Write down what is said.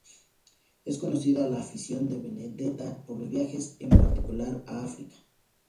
Es conocida la afición de Benedetta por los viajes, en particular a África.